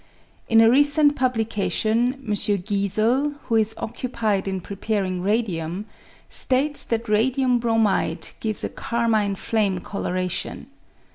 In a recent publication, M. Giesel, who is occupied in preparing radium, states that radium bromide gives a carmine flame colouration.